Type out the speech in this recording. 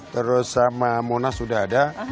terus sama monas sudah ada